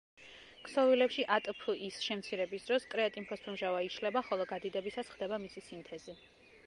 ქსოვილებში ატფ-ის შემცირების დროს კრეატინფოსფორმჟავა იშლება, ხოლო გადიდებისას ხდება მისი სინთეზი.